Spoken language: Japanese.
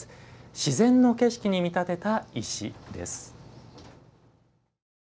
「自然の景色に見立てた石」です。